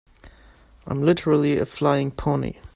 I'm literally a flying pony.